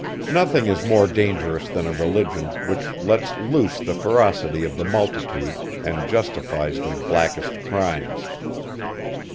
Nothing is more dangerous than a religion, which lets loose the ferocity of the multitude, and justifies their blackest crimes.